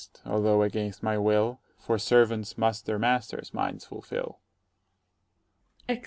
Thither I must, although against my will, For servants must their masters' minds fulfil. [_Exit.